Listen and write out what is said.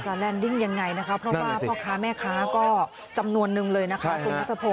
การแลนด์ดิ้งยังไงนะครับเพราะว่าพ่อค้าแม่ค้าก็จำนวนนึงเลยนะครับ